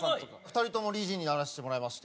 ２人とも理事にならせてもらいまして。